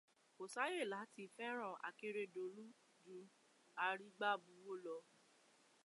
Kò sí ààyè láti fẹ́ran Akérédolú ju Arígbábuwó lọ